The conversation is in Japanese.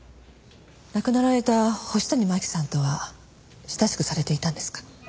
亡くなられた星谷真輝さんとは親しくされていたんですか？